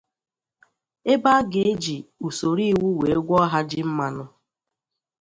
ebe a ga-eji usoro iwu wee gwọọ ha ji mmanụ